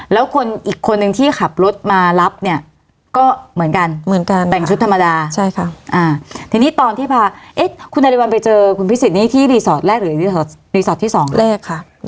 แล้วคนอีกคนนึงที่ขับรถมารับเนี่ยก็เหมือนกันเหมือนกันแต่งชุดธรรมดาใช่ค่ะทีนี้ตอนที่พาคุณนาริวัลไปเจอคุณพิสิทธินี่ที่รีสอร์ทแรกหรือรีสอร์ทที่สองแรกค่ะ